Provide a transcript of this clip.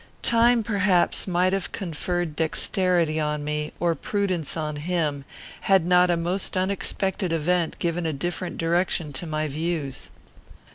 Time, perhaps, might have conferred dexterity on me, or prudence on him, had not a most unexpected event given a different direction to my views.